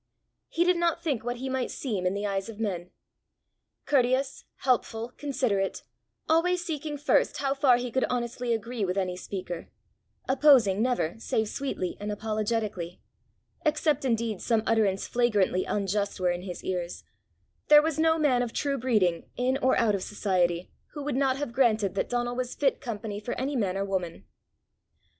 He did not think what he might seem in the eyes of men. Courteous, helpful, considerate, always seeking first how far he could honestly agree with any speaker, opposing never save sweetly and apologetically except indeed some utterance flagrantly unjust were in his ears there was no man of true breeding, in or out of society, who would not have granted that Donal was fit company for any man or woman.